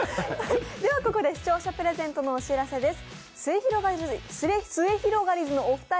ではここで視聴者プレゼントのお知らせです。